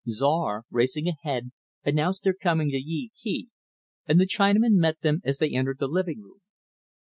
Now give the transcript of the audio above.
Czar, racing ahead, announced their coming to Yee Kee and the Chinaman met them as they entered the living room.